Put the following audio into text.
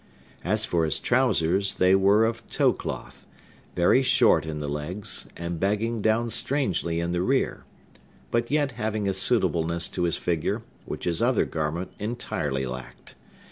As for his trousers, they were of tow cloth, very short in the legs, and bagging down strangely in the rear, but yet having a suitableness to his figure which his other garment entirely lacked.